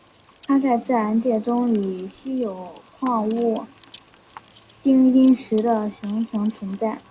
它在自然界中以稀有矿物羟铟石的形式存在。